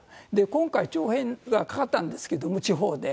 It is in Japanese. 今回、徴兵がかかったんですが、地方で。